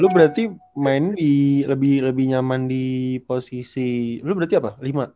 lu berarti main lebih nyaman di posisi lu berarti apa